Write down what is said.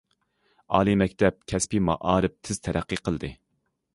ئالىي مەكتەپ، كەسپىي مائارىپ تېز تەرەققىي قىلدى.